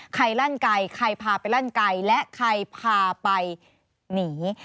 ลั่นไกลใครพาไปลั่นไกลและใครพาไปหนี